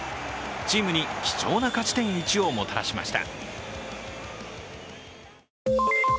チームに貴重な勝ち点１をもたらしました。